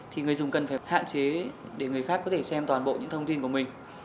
thì người dùng cần phải hạn chế để người khác có thể xem toàn bộ những thông tin của mình